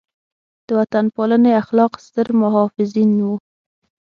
د وطن پالنې اخلاق ستر محافظین وو.